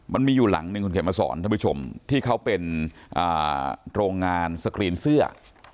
มันมีอยู่หลังหนึ่งคุณเขียนมาสอนท่านผู้ชมที่เขาเป็นโรงงานสกรีนเสื้อ